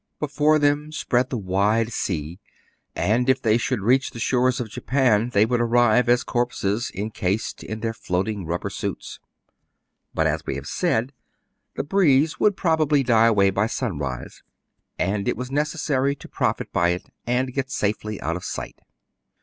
Before them spread the wide sea ; and, if they should reach the shores of Japan, they would arrive as corpses incased in their floating rubber suits. But, as we have said, the breeze would probably die away by sunrise ; and it was necessary to profit by it, and get safely out of sight.